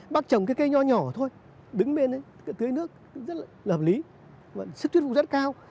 bác trồng cái cây nhỏ nhỏ thôi đứng bên đấy tưới nước rất là hợp lý mà sức thuyết phục rất cao